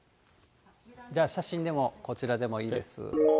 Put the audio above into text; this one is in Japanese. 写真でもこちらでもいいです。